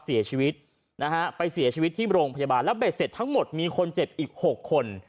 เสียชีวิตนะฮะไปเสียชีวิตที่โรงพยาบาลแล้วเบ็ดเสร็จทั้งหมดมีคนเจ็บอีก๖คน